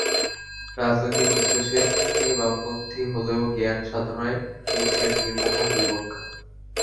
রাজনৈতিক বিশ্বাসে তিনি বামপন্থী হলেও জ্ঞান সাধনায় তিনি ছিলেন নির্মোহ, নিরপেক্ষ।